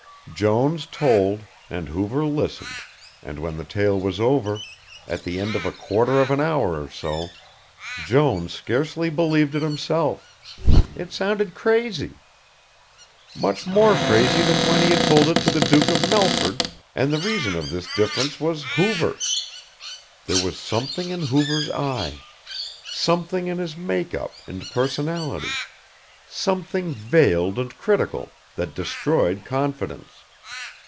Jones told, and Hoover listened and when the tale was over, at the end of a quarter of an hour or so, Jones scarcely believed it himself. It sounded crazy. Much more crazy than when he had told it to the Duke of Melford and the reason of this difference was Hoover. There was something in Hoover's eye, something in his make up and personality, something veiled and critical, that destroyed confidence.